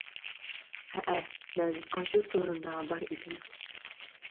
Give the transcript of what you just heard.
ھەئە، مەن ئاشۇ سورۇندا بار ئىدىم.